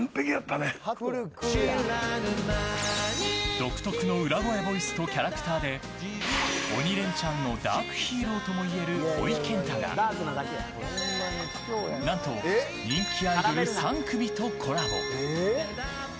独特の裏声ボイスとキャラクターで「鬼レンチャン」のダークヒーローともいえるほいけんたが何と人気アイドル３組とコラボ。